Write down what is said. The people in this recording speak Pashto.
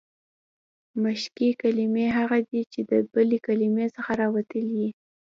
مشقي کلیمې هغه دي، چي د بلي کلیمې څخه راوتلي يي.